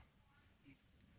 terima kasih den